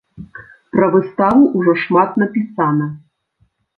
Пра выставу ўжо шмат напісана.